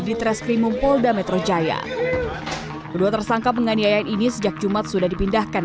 di tres primum polda metro jaya kedua tersangka penganiayaan ini sejak jumat sudah dipindahkan